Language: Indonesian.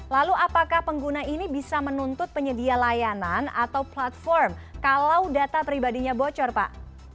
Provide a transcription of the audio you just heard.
lalu apakah pengguna ini bisa menuntut penyedia layanan atau platform kalau data pribadinya bocor pak